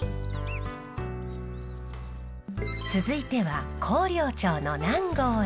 続いては広陵町の南郷へ。